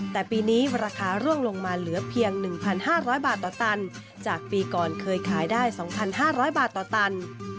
แต่ปีนี้ราคาร่วงลงมาเหลือเพียง๑๕๐๐บาทต่อตันจากปีก่อนเคยขายได้๒๕๐๐บาทต่อตัน